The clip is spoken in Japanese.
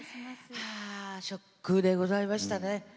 ショックでございましたね。